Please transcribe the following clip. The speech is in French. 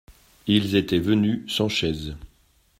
Ils étaient venus sans chaise.